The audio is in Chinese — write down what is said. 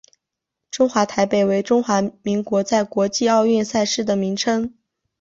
中华台北为中华民国在国际奥运赛事的名称。